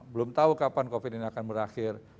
belum tahu kapan covid ini akan berakhir